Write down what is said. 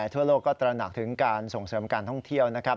ทั่วโลกก็ตระหนักถึงการส่งเสริมการท่องเที่ยวนะครับ